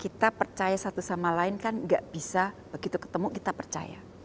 kita percaya satu sama lain kan gak bisa begitu ketemu kita percaya